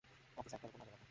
অফিসারটার উপর নজর রাখো।